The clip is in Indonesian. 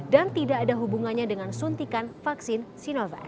dan tidak ada hubungannya dengan suntikan vaksin sinovac